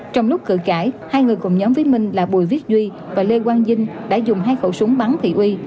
trong lúc cử cãi hai người cùng nhóm với minh là bùi viết duy và lê quang vinh đã dùng hai khẩu súng bắn thị uy